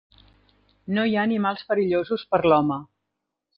No hi ha animals perillosos per l'home.